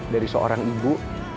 dari seorang ibu